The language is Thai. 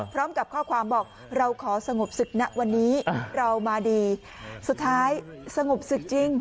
พร้อมกับข้อความบอกเราขอสงบศึกณวันนี้เรามาดีสุดท้ายสงบศึกจริง